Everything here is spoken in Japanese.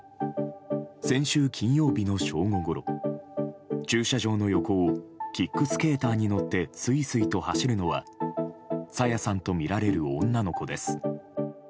先週金曜日の正午ごろ駐車場の横をキックスケーターに乗ってすいすいと走るのは朝芽さんとみられる女の子です。